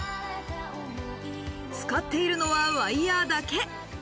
使っているのはワイヤだけ。